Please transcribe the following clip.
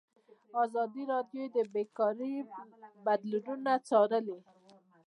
ازادي راډیو د بیکاري بدلونونه څارلي.